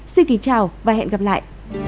xin kính chào và hẹn gặp lại